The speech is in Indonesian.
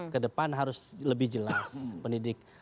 ke depan harus lebih jelas pendidik